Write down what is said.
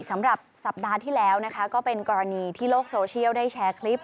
สำหรับสัปดาห์ที่แล้วนะคะก็เป็นกรณีที่โลกโซเชียลได้แชร์คลิป